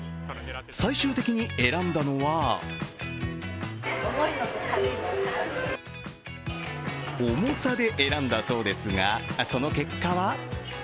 最終的に選んだのは重さで選んだそうですがその結果は？